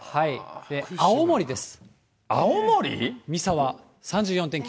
青森です。